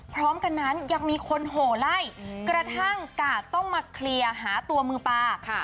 พร้อมกันนั้นยังมีคนโหไล่กระทั่งกาดต้องมาเคลียร์หาตัวมือปลา